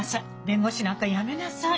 弁護士なんかやめなさい！